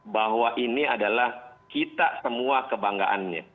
bahwa ini adalah kita semua kebanggaannya